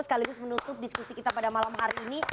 sekaligus menutup diskusi kita pada malam hari ini